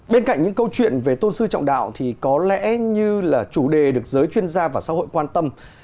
bên cạnh những câu chuyện về tôn sư trọng đạo thì có lẽ như là chủ đề được giới chuyên gia và xã hội quan tâm